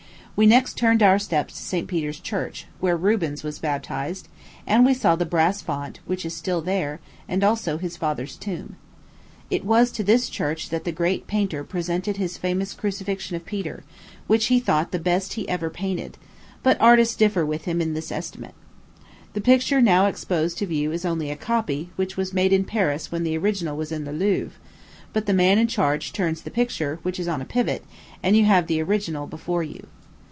We next turned our steps to St. Peter's Church, where Rubens was baptized; and we saw the brass font, which is still there, and also his father's tomb. It was to this church that the great painter presented his famous Crucifixion of Peter, which he thought the best he ever painted; but artists differ with him in this estimate. The picture now exposed to view is only a copy, which was made in Paris when the original was in the Louvre; but the man in charge turns the picture, which is on a pivot, and you have the original before you.